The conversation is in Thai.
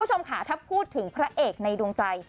คุณผู้ชมค่ะถ้าพูดถึงพระเอกในดวงใจ